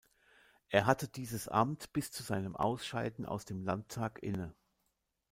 Er hatte dieses Amt bis zu seinem Ausscheiden aus dem Landtag inne.